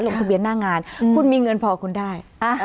ลงทะเบียนหน้างานคุณมีเงินพอคุณได้